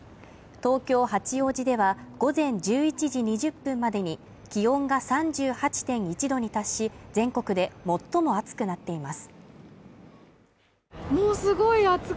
東京・八王子では午前１１時２０分までに気温が３８．１度に達し、全国で最も暑くなっています。